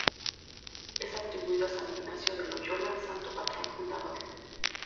Es atribuido a San Ignacio de Loyola, santo patrón fundador.